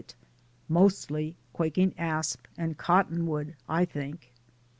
it, mostly quaking asp and Cottonwood, I think.